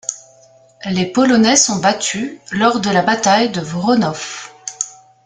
Les Polonais sont battus lors de la bataille de Wronów.